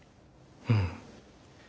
うん。